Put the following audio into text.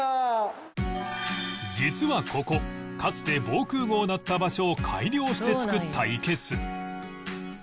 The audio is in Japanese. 実はここかつて防空壕だった場所を改良して作ったイケス